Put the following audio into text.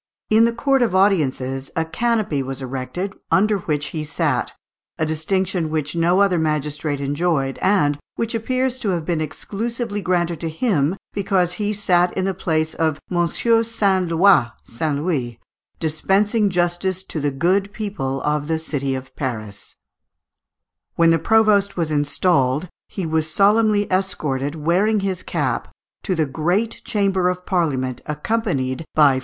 In the court of audiences, a canopy was erected, under which he sat, a distinction which no other magistrate enjoyed, and which appears to have been exclusively granted to him because he sat in the place of Monsieur Saint Loys (Saint Louis), dispensing justice to the good people of the City of Paris. When the provost was installed, he was solemnly escorted, wearing his cap, to the great chamber of Parliament, accompanied by four councillors.